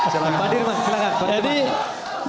silakan pak dirman